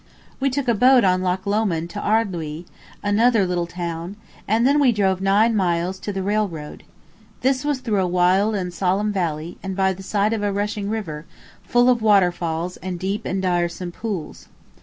We took a boat on Loch Lomond to Ardlui, another little town, and then we drove nine miles to the railroad. This was through a wild and solemn valley, and by the side of a rushing river, full of waterfalls and deep and diresome pools.